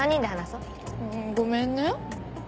うんごめんね。